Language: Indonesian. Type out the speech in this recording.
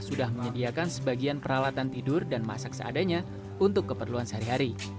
sudah menyediakan sebagian peralatan tidur dan masak seadanya untuk keperluan sehari hari